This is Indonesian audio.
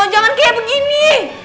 jangan kayak begini